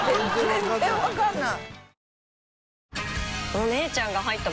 全然わかんない。